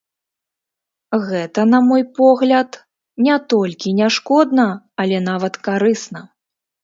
Гэта, на мой погляд, не толькі не шкодна, але нават карысна.